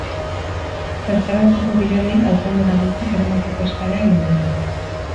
Bertaratuko direnei alkandora beltzak eramateko eskaera egin diete.